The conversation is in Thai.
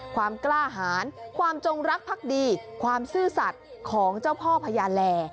ความกล้าหารความจงรักพักดีความซื่อสัตว์ของเจ้าพ่อพญาแล